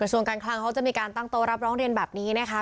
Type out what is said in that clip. ส่วนการคลังเขาจะมีการตั้งโต๊รับร้องเรียนแบบนี้นะคะ